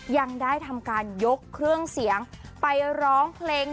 ยังได้ทำการยกเครื่องเสียงไปร้องเพลง